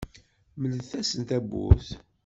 Mlet-asen tawwurt.